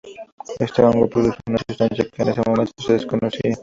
Este hongo produce una sustancia que en ese momento se desconocía.